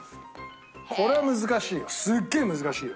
これは難しいよ。